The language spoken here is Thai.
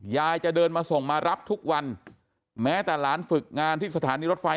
ยายจะเดินมาส่งมารับทุกวันแม้แต่หลานฝึกงานที่สถานีรถไฟ